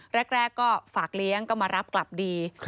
แรกก็ฝากเลี้ยงก็มารับกลับดี